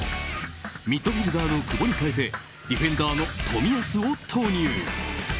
ミッドフィールダーの久保に代えてディフェンダーの冨安を投入。